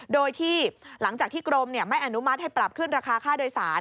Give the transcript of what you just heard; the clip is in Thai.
โดยที่หลังจากที่กรมไม่อนุมัติให้ปรับขึ้นราคาค่าโดยสาร